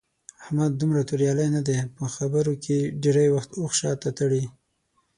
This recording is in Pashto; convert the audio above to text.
احمد دومره توریالی نه دی. په خبرو کې ډېری وخت اوښ شاته تړي.